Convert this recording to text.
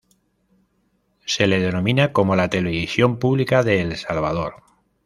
Se le denomina como la televisión pública de El Salvador.